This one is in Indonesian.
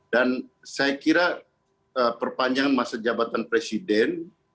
dan saya kira perpanjangan masa jabatan presiden itu harus ada